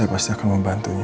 saya pasti akan membantunya